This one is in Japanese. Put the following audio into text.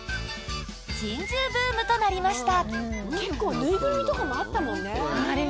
珍獣ブームとなりました。